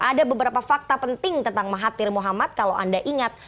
ada beberapa fakta penting tentang mahathir muhammad kalau anda ingat